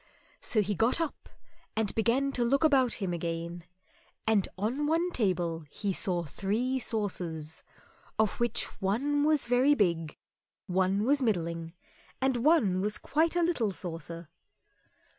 So he got up and began to look about him again, and on one table he saw three saucers, of which one was very big, one was middling, one was quite a little saucer.